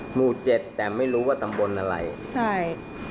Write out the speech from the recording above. หมู่เจ็ดแต่ไม่รู้ว่าตำบลอะไรใช่